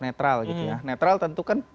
netral netral tentu kan